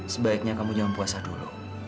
sebaiknya kamu jangan puasa dulu